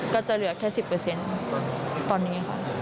ก็จะเหลือแค่๑๐เปอร์เซ็นต์ตอนนี้ค่ะ